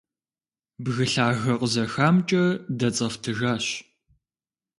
Бгы лъагэ къызэхамкӀэ дэцӀэфтыжащ.